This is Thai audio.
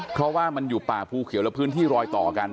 เพราะว่ามันอยู่ป่าภูเขียวและพื้นที่รอยต่อกัน